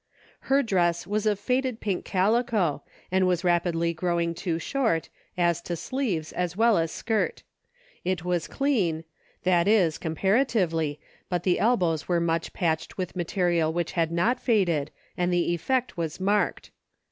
Her dress was of faded pink calico, and was rapidly growing too short, as to sleeves as well as skirt ; it was clean ; that is, comparatively, but the elbows were much patched with material which had not faded, and the effect was marked.